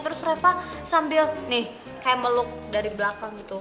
terus reva sambil nih kayak meluk dari belakang gitu